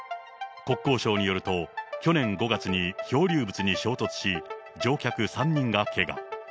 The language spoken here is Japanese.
国交省によると、去年５月に漂流物に衝突し、乗客３人がけが。